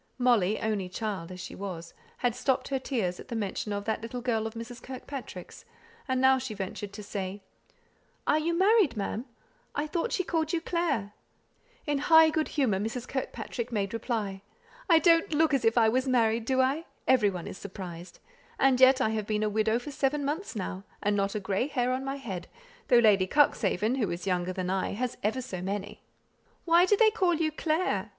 Molly only child as she was had stopped her tears at the mention of that little girl of Mrs. Kirkpatrick's, and now she ventured to say, "Are you married, ma'am; I thought she called you Clare?" In high good humour Mrs. Kirkpatrick made reply: "I don't look as if I was married, do I? Every one is surprised. And yet I have been a widow for seven months now: and not a grey hair on my head, though Lady Cuxhaven, who is younger than I, has ever so many." "Why do they call you 'Clare?'"